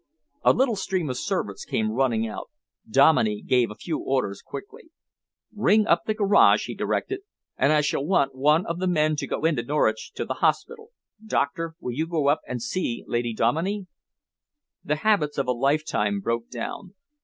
A little stream of servants came running out. Dominey gave a few orders quickly. "Ring up the garage," he directed, "and I shall want one of the men to go into Norwich to the hospital. Doctor, will you go up and see Lady Dominey?" The habits of a lifetime broke down.